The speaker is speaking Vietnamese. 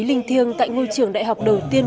linh thiêng tại ngôi trường đại học đầu tiên